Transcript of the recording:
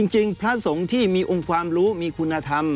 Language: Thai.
พระสงฆ์ที่มีองค์ความรู้มีคุณธรรม